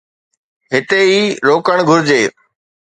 هتي ئي روڪڻ گهرجي.